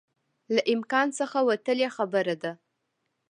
له امکان څخه وتلی خبره ده